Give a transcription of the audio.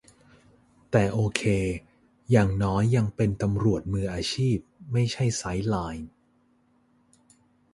แต่โอเค อย่างน้อยยังเป็นตำรวจมืออาชีพ ไม่ใช่ไซด์ไลน์